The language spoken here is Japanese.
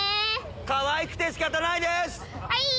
かわいくて仕方ないです！